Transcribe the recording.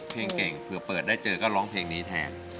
เพลงเก่งเผื่อเปิดได้เจอก็ร้องเพลงนี้แทน